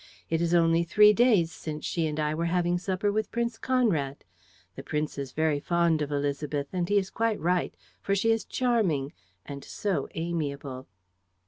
It is only three days since she and I were having supper with Prince Conrad. The prince is very fond of Élisabeth, and he is quite right, for she is charming ... and so amiable!"